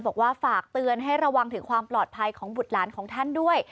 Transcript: บอกว่าฝากเตือนให้ระวังถึงความปลอดภัยของบุตรหลานของท่านด้วย